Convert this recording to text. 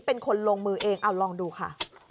เป็นคนลงมือเองเอาลองดูค่ะ